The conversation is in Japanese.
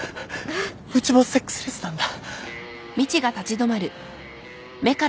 うちもセックスレスなんだ。